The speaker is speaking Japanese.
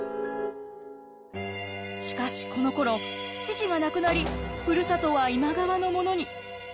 しかしこのころ父が亡くなりふるさとは今川のものに。